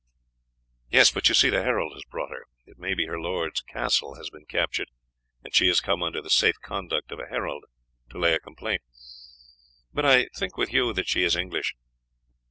"Yes, but you see the herald has brought her. It may be her lord's castle has been captured, and she has come under the safe conduct of a herald to lay a complaint; but I think with you that she is English.